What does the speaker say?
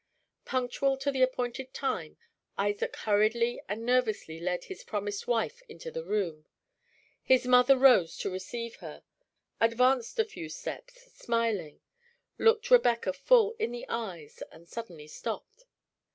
Punctual to the appointed time, Isaac hurriedly and nervously led his promised wife into the room. His mother rose to receive her advanced a few steps, smiling looked Rebecca full in the eyes, and suddenly stopped.